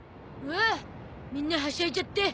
おおみんなはしゃいじゃって。